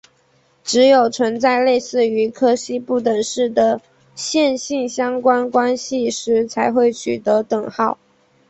只有存在类似于柯西不等式的线性相关关系时才会取得等号。